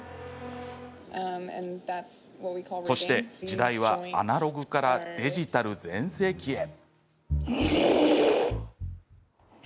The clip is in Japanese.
そして、時代はアナログからデジタル全盛期へ。